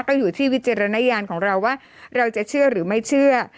ก็อยู่ที่วิจารณญาณของเราว่าเราจะเชื่อหรือไม่เชื่อ